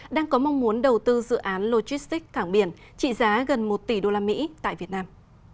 đang có mong muốn đầu tư dự án logistics thảng biển trị giá gần một tỷ usd tại việt nam